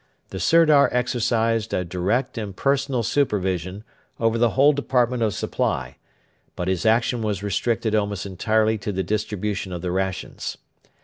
The Sirdar exercised a direct and personal supervision over the whole department of supply, but his action was restricted almost entirely to the distribution of the rations.